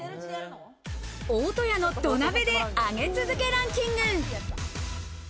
大戸屋の土鍋で上げ続けランキング。